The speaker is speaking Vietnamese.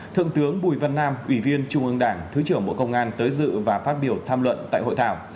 thượng tướng bùi văn nam ủy viên trung ương đảng thứ trưởng bộ công an tới dự và phát biểu tham luận tại hội thảo